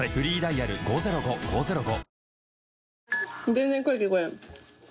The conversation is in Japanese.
全然声聞こえん。